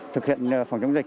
thực hiện phòng chống dịch